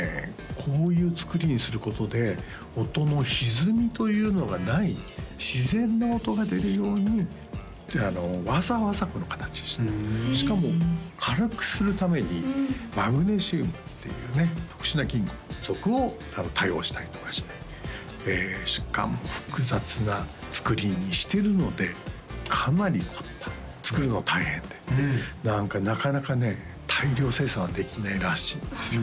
こういう作りにすることで音のひずみというのがない自然な音が出るようにわざわざこの形にしてるしかも軽くするためにマグネシウムっていうね特殊な金属を多用したりとかしてしかも複雑な作りにしてるのでかなり凝った作るのは大変でなかなかね大量生産はできないらしいんですよ